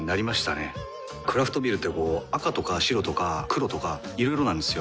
クラフトビールってこう赤とか白とか黒とかいろいろなんですよ。